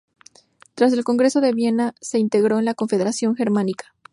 Tras el Congreso de Viena se integró en la Confederación Germánica.